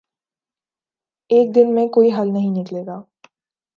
ایک دن میں کوئی حل نہیں نکلے گا۔